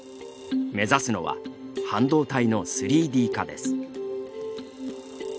目指すのは、半導体の３Ｄ化です。